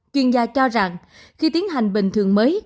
chuyên gia cho rằng khi tiến hành bình thường mới